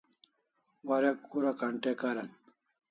Warek kura contact aran